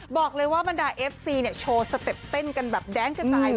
บอกเลยว่าบรรดาเอฟซีเนี่ยโชว์สเต็ปเต้นกันแบบแดนกระจาย